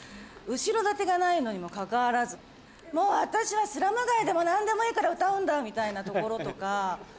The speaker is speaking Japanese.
後ろ盾がないのにもかかわらずもう私はスラム街でも何でもいいから歌うんだみたいなところとか。